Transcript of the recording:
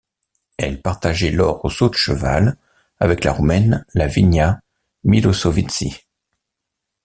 Elle partageait l'or au saut de cheval avec la Roumaine Lavinia Miloşovici.